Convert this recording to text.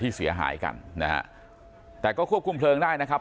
เสียหายกันนะฮะแต่ก็ควบคุมเพลิงได้นะครับ